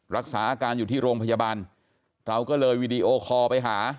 รักษาอาการอยู่ที่โรงพยาบาลเราก็เลยวีดีโอคอลไปหา